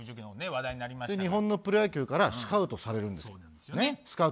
そして日本のプロ野球からスカウトされるんですよ。